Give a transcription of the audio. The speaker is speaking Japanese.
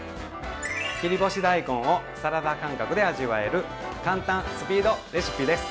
切り干し大根をサラダ感覚で味わえる簡単・スピードレシピです。